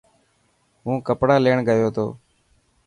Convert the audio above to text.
هون ڪپڙا ليڻ گيو تو.